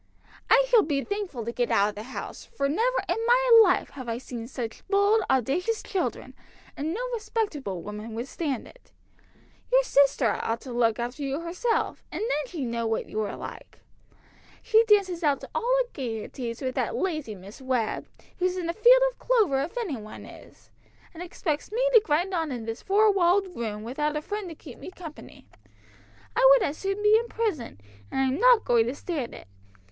"I shall be thankful to get out of the house, for never in my life have I seen such bold, owdacious children, and no respectable woman would stand it. Your sister ought to look after you herself, and then she'd know what you were like. She dances out to all her gaieties with that lazy Miss Webb, who's in a field of clover if any one is, and expects me to grind on in this four walled room without a friend to keep me company. I would as soon be in prison, and I'm not going to stand it.